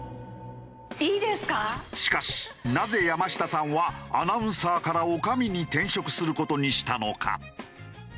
しかしなぜ山下さんはアナウンサーから女将に転職する事にしたのか？